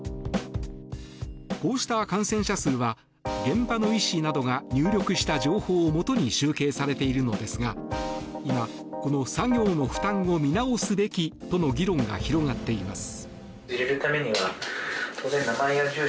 こうした感染者数は現場の医師などが入力した情報をもとに集計されているのですが今、この作業の負担を見直すべきとの議論が広がっています。